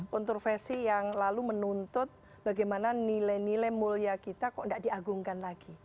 kontroversi yang lalu menuntut bagaimana nilai nilai mulia kita kok tidak diagungkan lagi